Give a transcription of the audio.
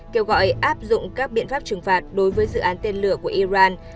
kêu gọi áp dụng các biện pháp trừng phạt đối với dự án tên lửa của iran